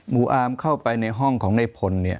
ูอามเข้าไปในห้องของในพล